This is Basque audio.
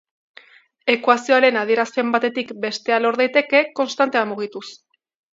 Ekuazioaren adierazpen batetik bestea lor daiteke konstantea mugituz.